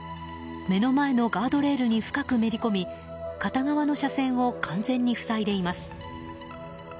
目の前のガードレールに深くめり込み片側の車線を完全に塞いでいます。